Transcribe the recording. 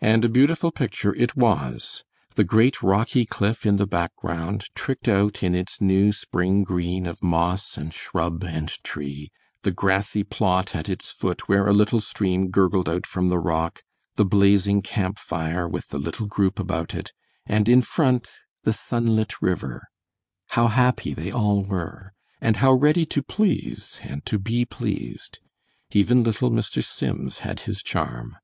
And a beautiful picture it was: the great rocky cliff in the background, tricked out in its new spring green of moss and shrub and tree; the grassy plot at its foot where a little stream gurgled out from the rock; the blazing camp fire with the little group about it; and in front the sunlit river. How happy they all were! And how ready to please and to be pleased. Even little Mr. Sims had his charm.